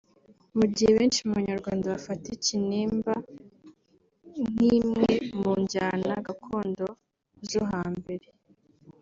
Mu gihe benshi mu Banyarwanda bafata Ikinimba nk’imwe mu njyana Gakondo zo hambere